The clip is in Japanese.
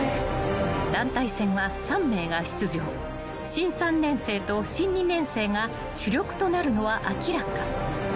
［新３年生と新２年生が主力となるのは明らか］